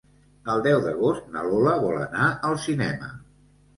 El deu d'agost na Lola vol anar al cinema.